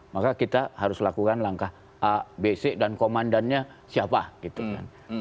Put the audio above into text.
maka kita harus lakukan langkah a b c dan komandannya siapa gitu kan